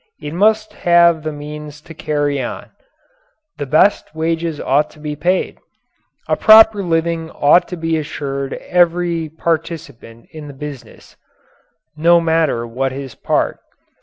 It must have the means to carry on. The best wages ought to be paid. A proper living ought to be assured every participant in the business no matter what his part.